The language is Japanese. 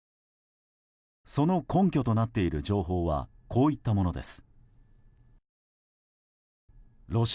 その根拠となっている情報はこういったものです。